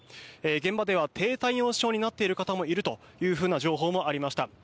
現場では低体温症になっている方もいるというふうな情報もありました。